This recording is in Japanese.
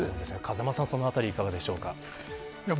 風間さん、そのあたりはいかがですか。